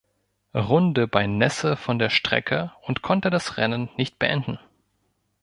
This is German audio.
Runde bei Nässe von der Strecke und konnte das Rennen nicht beenden.